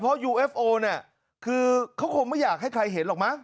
เพราะยูเอฟโอเนี่ยคือเขาคงไม่อยากให้ใครเห็นหรอกมั้